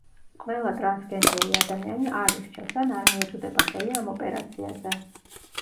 ყველა ტრანსგენდერი ადამიანი არ ირჩევს ან არ მიუწვდება ხელი ამ ოპერაციაზე.